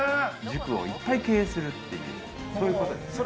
塾をいっぱい経営するっていう、そういうことですね。